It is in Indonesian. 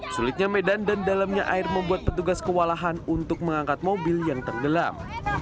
sulitnya medan dan dalamnya air membuat petugas kewalahan untuk mengangkat mobil yang tenggelam